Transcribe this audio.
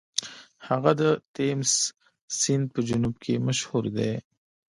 هغه د تیمس سیند په جنوب کې مشهور دی.